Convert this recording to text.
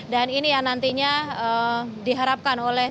dan ini yang nantinya diharapkan oleh